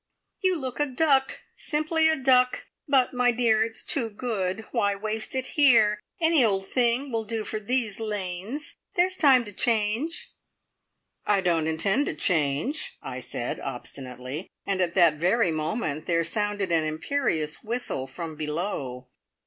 "You look a duck! Simply a duck. But, my dear, it's too good! Why waste it here? Any old thing will do for these lanes. There's time to change!" "I don't intend to change," I said obstinately, and at that very moment there sounded an imperious whistle from below.